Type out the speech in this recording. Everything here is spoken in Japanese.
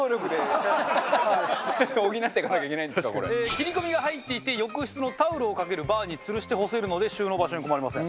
切り込みが入っていて浴室のタオルをかけるバーに吊るして干せるので収納場所に困りません。